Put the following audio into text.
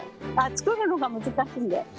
作るのが難しいんで。